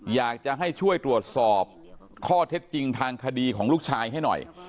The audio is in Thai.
อยากจะให้ช่วยตรวจสอบข้อเท็จจริงทางคดีของลูกชายให้หน่อย